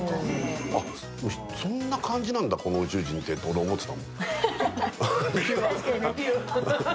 あっ、そんな感じなんだ、この宇宙人ってって思ってた。